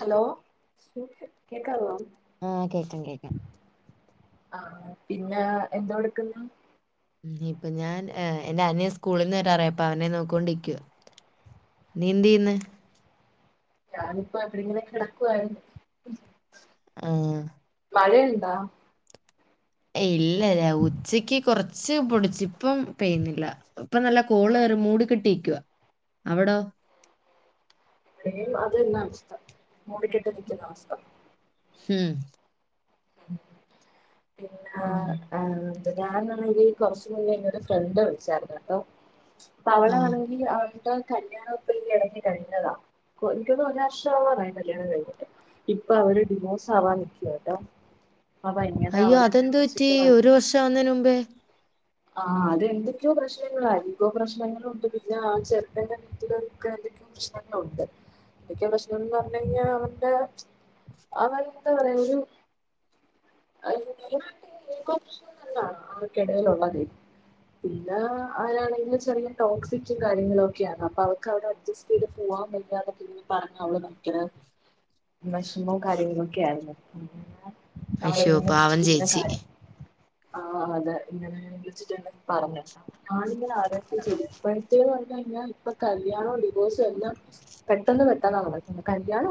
Hello കേക്കാവോ? ആ കേക്കാം കേക്കാം. ആ പിന്നെ എന്താ കൊടുക്കുന്നെ. ഇനി ഇപ്പ ഞാൻ എ എന്റെ അനിയൻ സ്കൂളിന്ന് വരാറയി അപ്പ അവനെ നോക്കോണ്ടിക്ക, നീ എന്ത് ചെയ്യ്ന്ന്. ഞാനിപ്പോ എവിടിങ്ങനെ കിടക്കുവാരുന്നു. ആ മഴയുണ്ടോ? ഇല് അല്ലല്ലെ ഉച്ചക്ക് കൊറ ച്ച് പൊടിച്ച് ഇപ്പം പെയ്യുന്നില്ല, ഇപ്പം നല്ല കോള് കേറി മൂടി കെട്ടിരിക്കുവാ, അവിടോ? [unintelligible] അതന്നെ അവസ്ഥ മൂടിക്കെട്ട് നിക്കുന്ന അവസ്ഥ. ഹം ഉ പിന്ന ഉം ആം ഞാനാണങ്കി കൊറച്ചു മുന്നെ ഇങ്ങോട്ടൊരു ഫ്രണ്ട് വിളിച്ചായിരുന്നു കേട്ടോ. അപ്പ ആഹ് അവളാണെങ്കി അവൾടെ കല്യാണം ഇപ്പ ഈ എടക്ക് കഴിഞ്ഞതാ, കൊ എനിക്കൊന്നുന്നു ഒരു വർഷാവാനായി കല്യാണം കഴിഞ്ഞിട്ട്, ഇപ്പോ അവര് ഡിവോഴ്സ് ആവാൻ നിക്കുവ കേട്ടോ. അപ്പൊ എങ്ങനെ അയ്യോ അവളെന്നെ അതെന്ത് പറ്റി വിളിച്ചിട്ട് ഒരു വർഷം ആവുന്നേന് മുമ്പേ? ആ അത് എന്തൊക്കെയോ പ്രശ്നങ്ങളധികോ പ്രശ്നങ്ങളുണ്ട് പിന്നെ ആ ചെറുക്കന്റെ [unintelligible] എന്തൊക്കെ പ്രശ്നങ്ങളുണ്ട് എന്തൊക്കെയോ പ്രശ്നങ്ങന്ന് പറഞ്ഞു കഴിഞ്ഞാ അവന്റെ അവൻ ത്താ പറയാ ഒരു അവക്കിടൽള്ളത് പിന്നെ അവരാണെങ്കില് ചെറിയ ടോക്സിറ്റും കാര്യങ്ങളും ഒക്കെ ആണ് അപ്പൊ അവക്ക് അവിടെ അഡ്ജസ്റ്റ് ചെയ്ത് പോവാൻ വയാതെ പിന്നെ പറഞ്ഞ അവള് മക്ക വിഷമവും കാര്യങ്ങളും ഒക്കെ ആയിരുന്നു പിന്നെ അയ്യോ പാവം ചേച്ചി ആ ഇപ്പൊ വിളിച്ചിട്ടാ പറഞ്ഞ് ആരൊക്കെ എന്തൊക്കെ പറഞ്ഞാലും കല്യാണം ഡിവോസും ഒക്കെ പെട്ടന്ന് പെട്ടന്ന് നടക്കുന്നത് കല്യാണം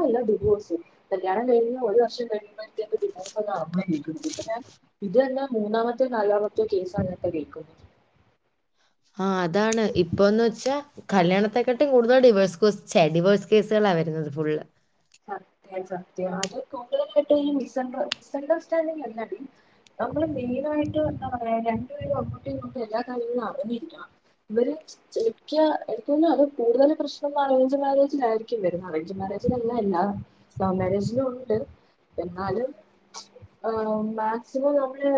കയിഞ്ഞ് ഒര് വർഷം ആവുമ്പോഴേക്കും ഡിവോസും ആയി അമ്മയും ഞാനും ഇത് തന്നെ മൂന്നാമത്തോ നാലാമത്തെയോ കേസാണ് ഇപ്പോ കേൾക്കുന്നത് ആഹ് അതാണ് ഇപ്പോന്ന് വെച്ചാ കല്യാണത്തെക്കാട്ടും കൂടുതൽ ഡിവേഴ്സ്സ് കൊച്ചെ ഡിവേഴ്സ് കേസേളാ വെരുന്നത് ഫുള്ള് സത്യം സത്യം അത് കൂടുതലായിട്ട് ഈ മിസ് മിസ്ണ്ടർസ്റ്റാൻഡിങ് എന്നാടി നമ്മള് മെയിനായിട്ട് എന്താ പറയാ രണ്ടു പേരും അങ്ങോട്ടും ഇങ്ങോട്ടും എല്ലാ കാര്യങ്ങളും അറിഞ്ഞിരിക്കണം ഇവര് [unintelligible] തെറ്റിയാ അത് കൂടുതല് പ്രശ്നം [unintelligible] അറേയ്ഞ്ച് മാരേജിലായിരിക്കും വെരുന്നത് അറേഞ്ച് മാരേജി ല്ല ല്ല ലവ് മാരേജിലൂ ഉണ്ട്. എന്നാലും മാക്സിമം നമ്മള്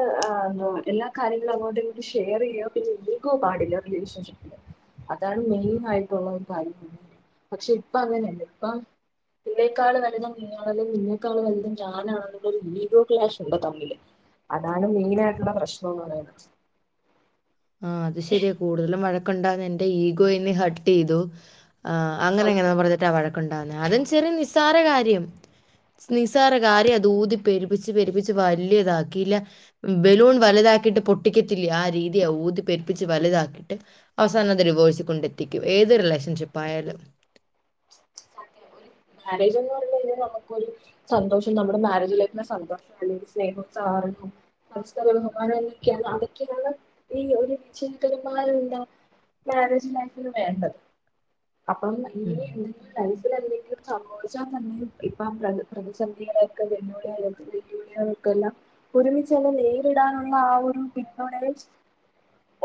എല്ലാ എ കാര്യങ്ങളും അങ്ങോട്ടു ഇങ്ങോട്ട് ഷെയർ ചെയ്യും. പിന്നെ ഈഗോ പാടില്ല റിലേഷൻഷിപ്പില് അതാണ് മെയിൻ ആയിട്ടുള്ള ഒരു കാര്യം. പക്ഷെ ഇപ്പ അങ്ങനെല്ല. ഇപ്പ നിന്നെക്കാള് നല്ലത് നീയാണെല്ലെ നിന്നെക്കാളു വല്ത് ഞാനാണ്ന്നു ള്ളൊരു ഈഗോ ക്ലാഷ് ഇണ്ട് തമിയില് അതാണ് മെയിനായിട്ട്ള്ള പ്രശ്നൊന്ന് പറയുന്നത് ആഹ് അത് ശെരിയ കൂടുതലും വഴക്ക് കണ്ടോ നിന്റെ ഈഗോയിന്ന് ഹട്ട് എയ്തു ആഹ് അങ്ങന അങ്ങനെ സത്യം പറഞ്ഞിട്ടാ വഴക്കുണ്ടാവുന്നേ അതും ചെറ്യനിസ് നിസാര കാര്യം നിസാരകാര്യാ തൂതിപ്പെരും പെരുപ്പിച്ച പെരിപ്പിച്ച് വലിയതാക്കിയില്ല ബലൂൺ വലുതാക്കിയിട്ട് പൊട്ടിക്കത്തില്ലെ ആ രീതി ഊതി പെരിപ്പിച്ച് വലുതാക്കിട്ട് അവസാന അത് ഡിവെഴ്സ്കൊണ്ടെ ത്തിക്കും ഏത് റിലേഷൻഷിപ്പായാലും സത്യം ഒരു മാരേജ് എന്ന് പറഞ്ഞ കഴിഞ്ഞാൽ നമുക്കൊരു സന്തോഷം നമ്മുടെ മാരേജ് ലൈഫിലെ സന്തോഷം അല്ലെങ്കിൽ സ്നേഹവും സഹകരണവും മസ്റ്റ് ബഹുമാനം എന്നൊക്കെയാണ് അതൊക്കെയാണ് ഈ ഒരു വിജയകരമായ മാരേജ് ലൈഫന് വേണ്ടത് അപ്പം ഈ ഉം. ലൈഫിലെന്തെങ്കിലും സമോർജം തന്നെ ഇപ് ഇപ്പം പ്രതി പ്രതിസന്ധികളെയൊക്കെ വെല്ലുവിളിളൊക്കെ വെല്ലുവിളികളൊക്കെ എല്ലാം ഒരുമിച്ചുള്ള നേരിടാനുള്ള ആ ഒരു പിന്തുണൽ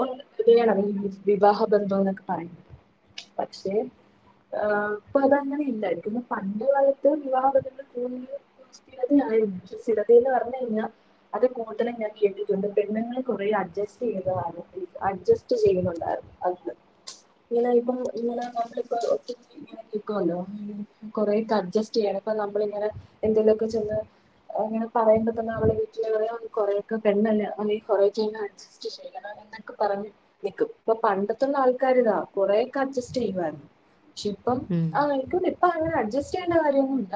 ഒന്ന് [unintelligible] ഈ വിവാഹ ബന്ധം എന്നൊക്കെ പറയുന്നത്, പക്ഷേ ഏ ഇപ്പോ അതങ്ങനെ ഇല്ലല്ലോ. പിന്നെ പണ്ട് കാലത്ത് വിവാഹ [unintelligible] സ്ഥിരതയായിരുന്നു, സ്ഥിരത എന്ന് പറഞ്ഞ് കഴിഞ്ഞാൽ അത് കൂട്ടല ഞാൻ കേട്ടിട്ടുണ്ട് പെണ്ണങ്ങൾ കൊറ അഡ്ജസ്റ്റ് ചെയ്തതാരുന്നു, അഡ്ജസ്റ്റ് ചെയ്യുന്നുണ്ടായിരുന്നു അന്ന്, ഇങ്ങനെ ഇപ്പ ഇങ്ങനെ നമ്മളിപ്പോ ഒറ്റക് ഇങ്ങനെ കേക്കുമല്ലോ. കൊറെേയൊക്കെ അഡ്ജസ്റ്റ് ചെയ്യണം ഇപ്പൊ നമ്മള ഇങ്ങനെ എന്തെങ്കലുമൊക്കെ ചെന്ന് ഇങ്ങനെ പറയുമ്പോ തന്നെ നളടെ വീട്ടില കൊറെയൊക്കെ പെണ്ണല്ല അല്ലെ കൊറെൊക്കെെ അഡ്ജസ്റ്റ് ചെയ്യണം എന്നൊക്കെ പറഞ്ഞ് നക്കും ഇപ്പൊ പണ്ടത്തുള്ള ആൾക്കാാര് ഇതാ കൊറെേൊക്കെ അഡ്ജസ്റ്റ് ചെയ്യുായിരുന്നു പക്ഷ ഇപ്പം ഉം. ആവർക് നിക്ക് ഇപ്പോഅങ്ങനെ അഡ്ജസ്റ്റ് ചെയ്യേണ്ട കാര്യൊന്നുമി ഇല്ല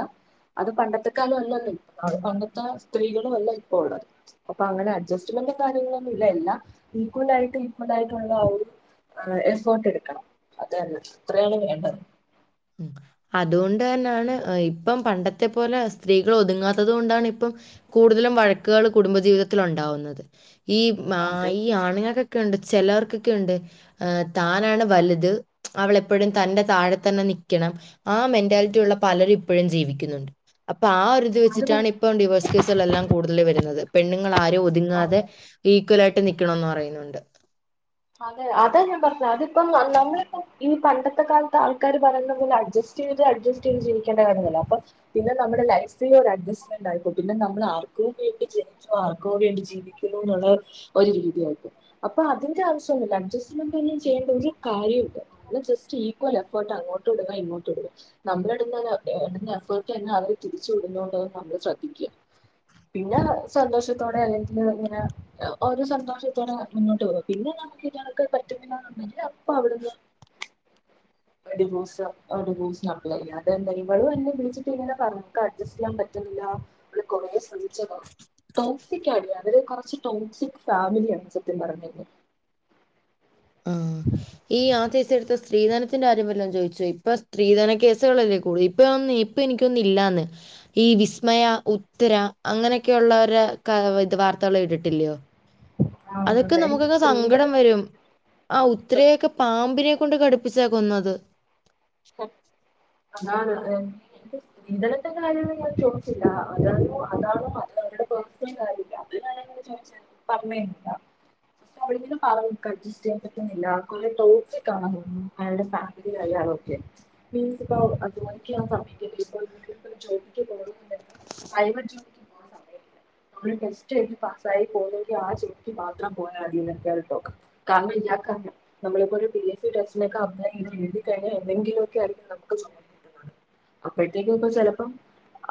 അത് പണ്ടത്ത്കാല അല്ലല്ല ഇ പണ്ടത്തെ സ്ത്രീകളും അല്ല ഇപ്പ ഉള്ളത് അപ്പൊ അങ്ങനെ അഡ്ജസ്റ്റ്മെന്റ് കാര്യങ്ങളൊന്നും ഇല്ല എല്ലാം ഈക്കലആയിട്ടും ഈക്കലായിട്ടുള്ള ആ ഒരു എഫേർട്ട് എടുക്കണം അതല്ല അത്രയാണ് വേണ്ടത് അതുകൊണ്ട് തന്നെയാണ് ഇപ്പം പണ്ടത്തെ പോലെ സ്ത്രീകൾ ഒതുങ്ങാത്തത് കൊണ്ടാണ് ഇപ്പം കൂടുതലും വഴക്കുകൾ കുടുംബജീവിതത്തിൽ ഉണ്ടാവുന്നത് ഈ ആ അതെ ഈ ആണു ഓക്കെ ഓകെണ്ട് ചിലവർക്കൊക്കെ ഉണ്ട് താനാണ് വലുത് അവളെപ്പോഴും തന്റെ താഴെ തന്നെ നിക ണം ആ മെന്റാലിറ്റി ഉള്ള പലരും ഇപ്പോഴും ജീവിക്കുന്നുണ്ട് അപ്പൊ ആ ഒരുതി അത് വെച്ചിട്ടാണ് മനസ്സി- ഇപ്പം ഡിവോഴ്സ് കേസുകളെല്ലാം കൂടുതൽ വരുന്നത് പെണ്ണുങ്ങൾാരരും ഒതുങ്ങാതെ അതെ ഈ കലായിയിട്ട് നിക്കണന്ന് പറയുന്നുണ്ട് അതെ അതാ ഞാൻ പറഞ്ഞത് അതിപ്പം നമ്മളിപ്പ ഈ പണ്ടത്തെ കാലത്ത് ആൾക്കാാര് പറയുന്നെ അഡ്ജസ്റ്റ് ചെയ്ത് അഡ്ജസ്റ്റ് ചെയ്ത് ജീവിക്കേണ്ട കാര്യല്ല അപ്പൊ പിന്നെ നമ്മുടെ ലൈഫില് അഡ്ജസ്റ്റ്മെന്റ് ആയിപ്പോ പിന്നെ നമ്മൾ ആർക്കും വേണ്ടി ജനിച്ചു ആർക്കും വേണ്ടി ജീവിക്കുന്നു എന്നുള്ള ഒരു രീതിയയിപ്പോും അപ്പൊ അതിന്റെ ആവശ്യ അഡ്ജസ്മെന്റ് തന്ന ചെയ്യേണ്ട ഒരു കാര്യമുണ്ട് നമ്മള് ജസ്റ്റ് ഈക്വൽ എഫേർട്ട് അങ്ങോട്ട്ടുക്ക ഇങ്ങോട്ട്ടുക്ക നമ്മൾ ഇട ഇടുന്ന എഫേർട്ട് തന്നെ അവര് തിരിച്ചു വിടുന്നുണ്ടോന്ന് നമ്മള് ശ്രദ്ധിക്കും പിന്നെ സന്തോഷത്തോടെ അല്ലെങ്കിൽ ഇങ്ങനെ ഓരോ സന്തോഷത്തോടെ മുന്നോട്ട് പോക പിന്നെ ഇയാൾക്ക് പറ്റുന്നേ അപ്പൊ അവിടുന്ന് ഡിവോഴ്സ് ഡിവോഴ്‌സിന് അപ്ലൈ യ്യാ അതെന്താ ഇവള് എന്നെ വിളിച്ചിട്ട് ഇങ്ങെനെ പറഞ്ഞ ൻക് അഡ്ജസ്റ്റ് ചെയ്യാൻ പറ്റുന്നില്ല അവള് കൊറേ ശ്രമിച്ചതാ ടോക്സിക്കാ അവര് കൊറച്ചു ടോക്ക്സിക് ഫാമിലിയാ ണ് സത്യം പറഞ്ഞ ആ ഈ ആദ്യേ ഇജ എടുത്ത സ്ത്രീധനത്തിന്റെ കാര്യം വല്ലും ചോദിച്ചു ഇപ്പൊ സ്ത്രീധന കേസുകളല്ലേ കൂടുതൽ ഇപ്പൊന്ന് ഇപ്പൊ എനിക്കൊന്നും ഇല്ലാന്ന് ഈ വിസ്മയ ഉത്തര അങ്ങനൊക്കെ ഉള്ളവരെക്കെ ഇത് വാർത്തകൾ കേട്ടിട്ടില്ലയോ ആഹ് അതൊക്കെ അതെ എനിക്ക് നമുക്കൊക്കെ സങ്കടം സ്ത്രീധനം വരും. ആ സത്യം ഉത്രയൊക്കെ പാമ്പിനെ കൊണ്ട് കടിപ്പിച്ചാ കൊന്നത് ആ താണ് ഇന്നലെത്തെകാര്യങ്ങൾ ഒന്നുംഞാൻ ചോദിച്ചില്ല അതാണോ അതാണോ അത് അവടെ പേഴ്സണൽ കാര്യമില്ല അത് കാര്യ ചോദിച്ച പറഞ്ഞരുന്നില്ല പക്ഷെ അവവിടെെങ്കിലും അഡ്ജസ്റ്റ് ചെയ്യാൻ പറ്റുന്നില്ല കുറെ ടോക്സിക് അണ്അയാളുടെ ഫാമിലി കാര്യണോ [unintelligible] [unintelligible] ടെസ്റ്റ്എഴുതി പസായി മാത്രം പോയാൽധോ കാരണം ഇല്ല കാരണം നമ്മളിപ്പോ ഒരു പി എസ് സി ടെസ്റ്റിനൊക്കെ അപ്ലൈ ചെയ് എഴുതിക്കഴിഞ്ഞ [unintelligible] എന്തെങ്കിലും ഒക്കെ ആയിരിക്കും നമുക്ക് സമയം കിട്ടുന്നത് അപ്പോഴത്തേക്കൊക്ക ചിലപ്പം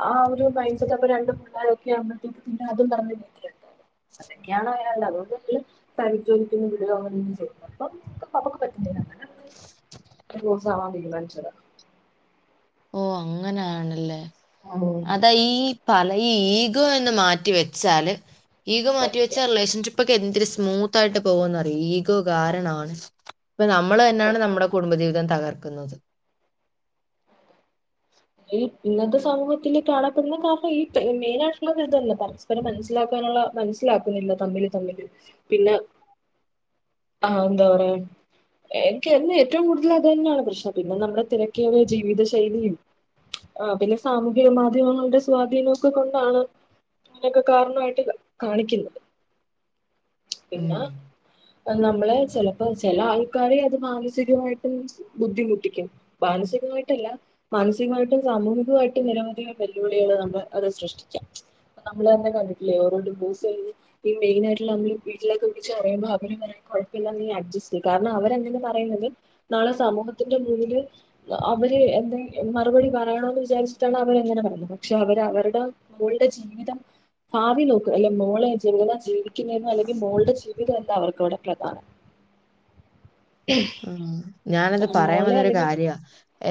ആ ഒരു മൈൻഡ് സെറ്റ് അപ്പൊ രണ്ട്പിള്ളാരൊക്കെ ആകു മ്പഴത്തേക്ക് പിന്നെ അതും പറഞ്ഞ രീതിൽണ്ടും അതൊക്കെയാണ് അയാള അതുകൊണ്ട്ങ്കിലും പരിചോദിക്കുന്നു വി അങ്ങനന്ന ചെയ്യ അപ്പ അവമുക്ക് പറ്റ അങ്ങനെ ചാവാൻ തീരുമാനിച്ചത് അങ്ങനാണ് ല്ലേ അതാ ഈ പല ഈ ഈഗോ എന്ന് മാറ്റി വെച്ചാല് ഈഗോമാറ്റിവെച്ച സത്യം റിലേഷൻഷിപ്പ് ഇപ്പൊക്കെ എന്തിരു സ്മൂത്ത് ആയിട്ട് പോവുന്ന് അറിയോഈഗോ കാരണാണ് ഇപ്പ നമ്മൾ തന്നാണ് നമ്മുടെ കുടുംബജീവിതം തകർ- ക്ക്ന്നത് ഈ ഇന്നത്തെ സമൂഹത്തിൽ കാണപ്പെടുന്ന കാരണം ഈ മെയിൻ ആയിട്ടുള്ളത് ഇതന്നെ പരസ്പരം മനസ്സിലാക്കാനുള്ള മനസ്സിലാക്കുന്നില്ല തമ്മിൽ തമ്മില് പിന്നെ ആ ഉന്താ പറയാന് എന്ക്ക് എനെ ഏറ്റവും കൂടുതൽ അത് തന്നെയാണ് പ്രശ്നം പിന്നെ നമ്മുടെ തിരക്കേറിയ ജീവിത ശൈലിയും ആ പിന്നെ സാമൂഹിക മാധ്യമങ്ങളുടെ സ്വാധീനം ഒക്കെ കൊണ്ടാണ് ഇതിൻ്റൊക്കെ കാരണായിട്ട് കാണിക്കുന്നത് പിന്നാ ഉം ആ ന്നമ്മള് ചിലപ്പോ ചില ആൾക്കാരെ അത് മാനസികമായിട്ടും ബുദ്ധിമുട്ടിക്കും മാനസികമായിട്ടല്ല മാനസികമായിട്ടും സാമൂഹികമായിട്ടും നിരവധി വെല്ലുവിളികൾ നമ്മള് അത് സൃഷ്ടിചാ നമ്മള് ന്നെ കണ്ടിട്ടില്ലേ ഓരോ ഡിവോയ്സ് എഴുതി ഈ മെയിനായിട്ടുള്ള നമ്മള് വീട്ടിലേക്ക് വിളിച്ച് പറയുമ്പോൾ അവര് പറയും കോഴപ്പല്ല നീ അഡ്ജസ്റ്റ് ചെയ്യ് കാരണം അവരങ്ങനെ പറയുന്നത് നാളെ സമൂഹത്തിന്റെ മുന്നില് അവര് എന്തങ്കി മറുപടി പറയണോന്ന് വിചാരിച്ചിട്ടാണ് അവരങ്ങനെ പറയുന്നത് പക്ഷെ അവര് അവരുടെ മോളുടെ ജീവിതം ഭാവി നോക്കുക അല്ലെ മോളെ ജനുവിന ജീവിക്കുന്നന്ന് അല്ലെങ്കിൽ മോളുടെ ജീവിതം എല്ല അവർക്ക് അവിടെ പ്രധാനം ആ ഞാനത് പറയാൻ മോളെ വന്നൊരു അല്ലെങ്കിൽ കാര്യാ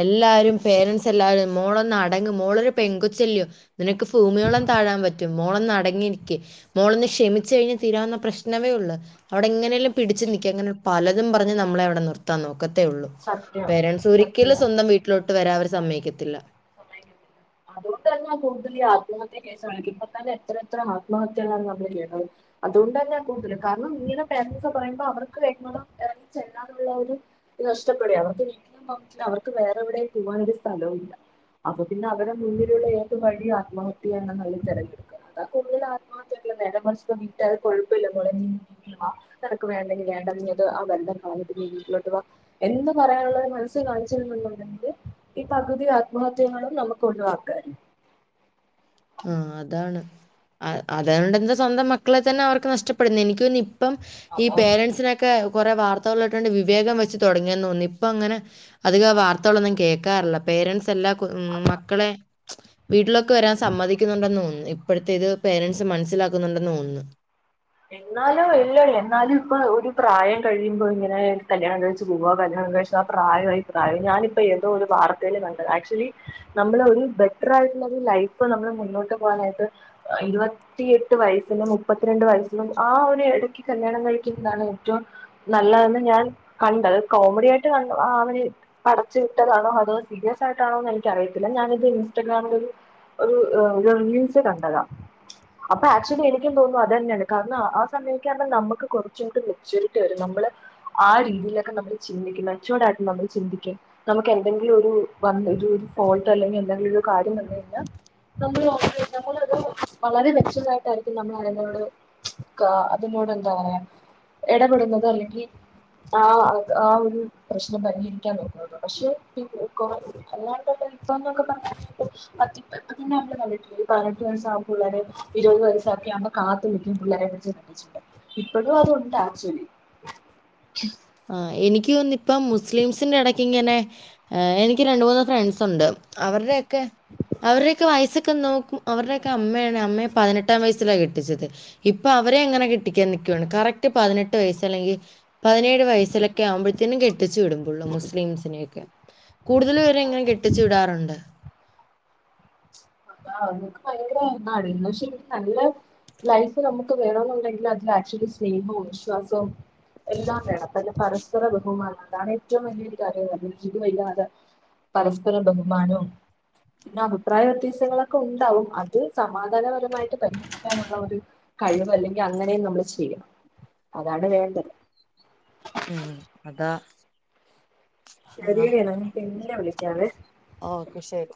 എല്ലാരും പേരൻസ് എല്ലാവാരരും മോളൊന്ന് അടങ് മോളൊരു പെൺകൊച്ചല്യോ നിനക്ക് ഭൂമിയോളം താഴാം പറ്റും മോളൊന്ന് അടങ്ങിയിരിക്ക് മോളൊന്ന് ക്ഷമിച്ചു കഴിഞ്ഞാ തീരാവുന്ന പ്രശ്നമേ ഒള്ളൂ അവിടെ ഇങ്ങനെല്ലാം പിടിച്ച് നിക്ക് അങ്ങന പലതും പറഞ് നമ്മളെ അവ്ടങ് നിർത്താൻ നോ ക്കത്തേ ഒള്ളൂ സത്യം പേരൻസ് ഒരിക്കലും സത്യം സ്വന്തം വീട്ടിലോട്ട് വരാ അവര് സമ്മയ്ക്കത്തില്ല അതുകൊണ്ട് തന്നെയാ കൂടുതല് ഈ ആത്മത്യ കേസുകൾ കാണിക്കുന്നെ ഇപ്പൊ തന്നെ എത്ര എത്ര ആത്മഹത്യകളാണ് നമ്മള് കേട്ടത് അതുകൊണ്ട് തന്നെ കൂടുതല് കാരണം ഇങ്ങനെ പേരൻസ് ഒക്കെപറയുമ്പോ അവർക്ക് അയ്ന് മാത്രം ചെല്ലാന്ന്ള്ളൊരു ഒര് നഷ്ടപ്പെടാണ് അവർക്ക് വീട്ടിലും അവർക്ക് വേറെവിടെ പോവാനൊ ഒരു സ്ഥലോം ഇല്ല അപ്പൊ പിന്നെ അവ മുന്നിലുള്ള ഏത് വഴിയും ആത്ഹത്യയാണ്ന്ന്ള്ളത് തിരഞ്ഞെടുക്ക അതാ കൂടുതൽ ആത്മഹത്യ നേരേ മറിച്ച് അത് വിട്ടാ കൊഴപ്പല്ല മോളേ നീ വാ നിനക്ക് വേണ്ടെങ്കിൽ വേണ്ട നീ അത് ആ ബന്ധം കളഞിട്ട് നീ വീട്ടിലോട്ട് വാ എന്ന് പറയാനുള്ളോരു മനസ്സ് കാണിച്ചീരു ന്നുണ്ടെങ്കില് ഈ പകുതി ആത്മഹത്യകളും നമുക്ക് കൊടു ആക്കൽ ആ അതാണ് അത അതൊണ്ട് എന്താ സ്വന്തം മക്കളെ തന്നെ അവർക്ക് നഷ്ടപ്പെടുന്നു എന്ക്കോന്നു ഇപ്പം ഈ അതാ പേരൻസി നൊക്കെ [unintelligible] കൊറെേ വാർത്തകളേ ട്ടോണ്ട് വിവേകം വെച്ച് തുടങ്ങി യന്നോന്നി ഇപ്പ അങ്ങനെ അധികം വാർത്തകളൊന്നും കേൾക്കാറില്ല പേരൻസ് എല്ലാം ക് ഉം മക്കളെ വീട്ടിലേക്ക് വരാ സ സമ്മതിക്കുന്നുണ്ടെന്ന് തോന്നുന്നു ഇപ്പോഴത്തേത് പേരൻറ്സ് മനസ്സിലാക്കുന്നുണ്ടെന്ന് തോന്നുന്നു എന്നാലും എല്ല എന്നാലും ഇപ്പൊ ഒരു പ്രായം കഴിയുമ്പോ ഇങ്ങനെ കല്യാണം കഴിച്ച് പോവ കല്യാണം കഴിച്ച ആ പ്രായമായി പ്രായം ഞാനിപ്പോ ഏതോ ഒരു വാർത്തൽ കണ്ടത് ആക്ച്വലി നമ്മള ഒരു ബെറ്റർ ആയിട്ടുള്ള ഒരു ലൈഫ് നമ്മൾ മുന്നോട്ട് പോകാനായിട്ട് ഇരുപത്തിയെട്ട് വയസ്സിന് മുപ്പത്തിരണ്ട് വയസ് ആ ഒരു ഇടയ്ക്ക് കല്യാണം കഴിക്കുന്നതാണ് ഏറ്റവും നല്ലതെന്ന് ഞാൻ കണ്ടത് കോമഡി ആയിട്ട് ക അവന് പഠച്ചു വിട്ടതാണോ അതോ സീരിയസ് ആയിട്ടാണോന്ന് എനിക്ക അറിയത്തില്ല ഞാനിത് ഇൻസ്റ്റാഗ്രാമിൽ ഒരു ഒരു റീൽസ് കണ്ടതാണ് അപ്പൊ ആക്ച്വലി എനിക്കും തോന്നും അത് തന്നെയാണ് കാരണം ആ സമയൊക്കെ ആകുമ്പോൾ നമുക്ക് കുറച്ച കൂടി മെച്യൂരിറ്റി വരും നമ്മള് ആ രീതിയിലൊക്കെ നമ്മൾ ചിന്തിക്കും മെച്യുവർഡ് ആയിട്ട് നമ്മള് ചിന്തിക്കും നമുക്ക് എന്തെങ്കിലും ഒരു വ ഒരു ഫോൾട്ട് അല്ലെങ്കിൽ എന്തെങ്കിലും ഒരു കാര്യം വന്ന കഴിഞ്ഞാൽ നമ്മ നമ്മളത് വളരെ മെച്ചതായിട്ടായിരിക്കും നമ്മൾ ആതിനൊണ്ട് അതിനോട് എന്താ പറയാ ഇടപെടുന്നത് അല്ലെങ്കിൽ ആ ആ ഒരു പ്രശ്നം പരിഹരിക്കാൻ നോക്കുന്നത്. പക്ഷെ അല്ലാണ്ടുള്ള ഇപ്പന്നൊക്കെ പറഞ്ഞ അന്നെ നമ്മള് കണ്ടിട്ടില്ലേ പതിനെട്ട് വയസ്സ പിള്ളേരെ ഇരുപത് വയസ്സാക്കാകുമ്പോൾ കാത്ത് നി പിള്ളേരെ പിടിച്ചു കെട്ടിച്ചിട്ട്, ഇപ്പളും അതുണ്ട് ആക്ച്വലി ആ എനിക്ക് തോന്നി ഇപ്പം മുസ്ലിംസിന്റെ ഇടയ്ക്ക് ഇങ്ങനെ എനിക്ക് രണ്ട് മൂന്ന് ഫ്രണ്ട്സ് ഉണ്ട് അവരുടെ ക്കെ അവരുടെക്കെ വയസ ന അവരുടെക്കെ അമ്മ അമ്മയ പതിനെട്ടാം വയസിലാണ് കെട്ടിച്ചത്. ഇപ്പൊ അവരെ അങ്ങനെ കെട്ടിക്കാൻ നിക്കാണ് കറക്റ്റ് പതിനെട്ട് വയസ്സ് അല്ലെങ്കിൽ പതിനെ വയസൊക്കെ ആകുമ്പോഴത്തേും കെട്ടു വിടും പോലും മുസ്ലിംസിനെയൊക്കെ കൂടുതൽ ഇവരെ ഇങ്ങനെ കെട്ടിച്ചു വിടാറുണ്ട് ആ അതൊക്കെ ഭയങ്കരാണ് പക്ഷെ എനിക്ക് നല്ല ലൈഫ് നമുക്ക് വേണെന്നുണ്ടെങ്കിൽ അതിൽ ആക്ച്വലി സ്നേഹവും വിശ്വാസവും എല്ലാം വേണം അപ്പം പരസ് ബഹുമാനം അതാണ് ഏറ്റവും വലിയരു കാര്യം [inaudible] പരസ്പര ബഹുമാനവും പിന്നെ അഭിപ്രായ വ്യത്യസങ്ങളൊക്കെ ഉണ്ടാവും. അത് സമാധാനപരമായിട്ട് പരിഹരിക്കാനുള്ള ഒരു കഴിവ് അല്ലെങ്കിൽ അങ്ങനെയും നമ്മള് ചെയ്യണം. അതാണ് വേണ്ടത് ഉം അതാ ശെരിയാണ് പിന്നെ വിളി ക്കാവേ ഓക്കെ ശരി